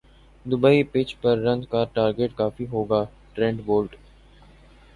Dubai pitch پر runs کا target کافی ہو گا ٹرینٹ بولٹ